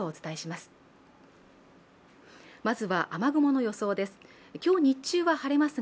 まずは雨雲の予想です。